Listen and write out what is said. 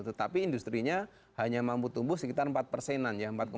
tetapi industri nya hanya mampu tumbuh sekitar empat persenan ya